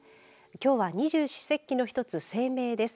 きょうは二十四節気の一つ清明です。